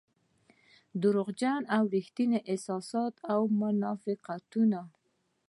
دروغجن او رښتيني احساسات او منافقتونه.